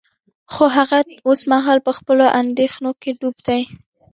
خو هغه اوس مهال په خپلو اندیښنو کې ډوب و